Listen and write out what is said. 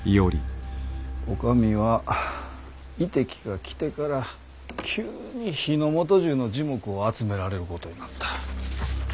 お上は夷狄が来てから急に日の本中の耳目を集められることになった。